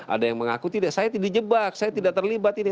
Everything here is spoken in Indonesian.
ada yang mengaku tidak saya tidak jebak saya tidak terlibat ini